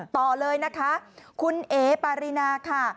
ต่อเลยนะคะคุณเอ๋ปารีนาค่ะ